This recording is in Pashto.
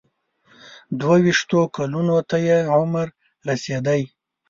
دوه ویشتو کلونو ته یې عمر رسېدی.